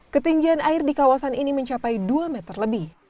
ketinggian air di kawasan ini mencapai dua meter lebih